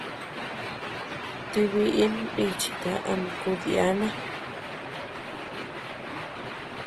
Ti biʼin nichita ama kudiana.